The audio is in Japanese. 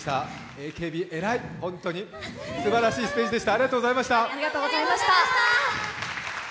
ＡＫＢ偉い、本当にすばらしいステージでした。